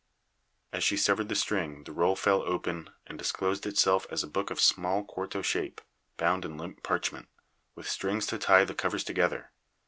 As she severed the string the roll fell open and disclosed itself as a book of small quarto shape, bound in limp parchment, with strings to tie the covers together.